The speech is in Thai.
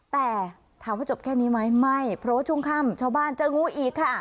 แต่ถามว่าจบแค่นี้ไหมไม่เพราะว่าช่วงค่ำชาวบ้านเจองูอีกค่ะ